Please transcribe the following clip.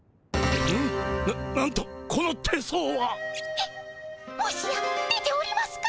えっもしや出ておりますか？